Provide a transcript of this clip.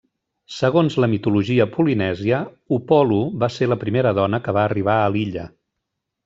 Segons la mitologia polinèsia, Upolu va ser la primera dona que va arribar a l'illa.